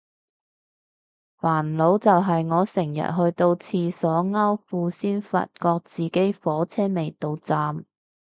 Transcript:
煩惱就係我成日去到廁所摳褲先發覺自己火車未到站